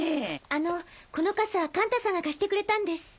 あのこの傘カンタさんが貸してくれたんです。